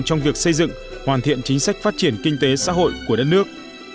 trong việc xây dựng hoàn thiện chính sách phát triển kinh tế xã hội của đất nước